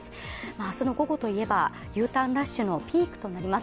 明日の午後といえば、Ｕターンラッシュのピークとなります。